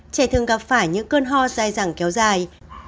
trẻ thường gặp phải những cơn ho dài dẳng kéo dài